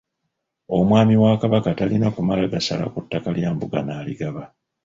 Omwami wa Kabaka talina kumala gasala ku ttaka lya mbuga n'aligaba.